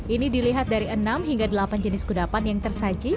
ini dilihat dari enam hingga delapan jenis kudapan yang tersaji